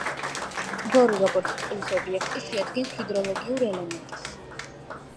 ტბორი როგორც წყლის ობიექტი, შეადგენს ჰიდროლოგიურ ელემენტს.